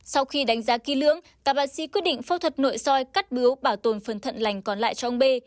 sau khi đánh giá kỹ lưỡng các bác sĩ quyết định phẫu thuật nội soi cắt bứu bảo tồn phần thận lành còn lại cho ông b